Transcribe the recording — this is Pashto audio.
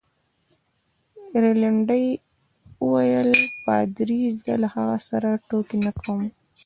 رینالډي وویل: پادري؟ زه له هغه سره ټوکې نه کوم.